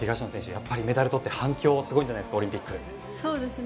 やっぱりメダルをとって反響すごいんじゃないですか？